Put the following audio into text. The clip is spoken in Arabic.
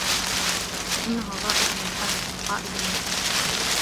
فَإِنَّهُ الرَّائِدُ الْمُحَرِّكُ ، وَالْقَائِدُ الْمُهْلِكُ